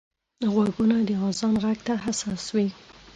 غوږونه د اذان غږ ته حساس وي